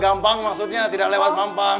gampang maksudnya tidak lewat mampang